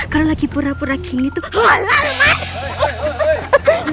kalau lagi pura pura gini tuh hola emang